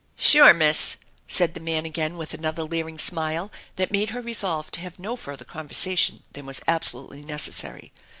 " Sure, Miss !" said the man again, with another leering smile that made her resolve to have no further conversation than was absolutely necessary.